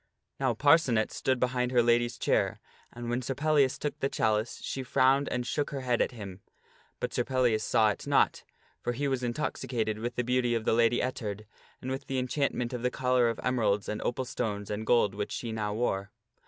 Now Parcenet stood behind her lady's chair, and when Sir Pellias took the chalice she frowned and shook her head at him. But Sir Pellias saw it not, for he was intoxicated with the beauty of the Lady Ettard, and with the enchantment of the collar of emeralds and opal stones and gold which she now wore.